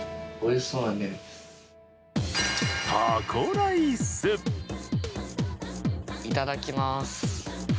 いただきます。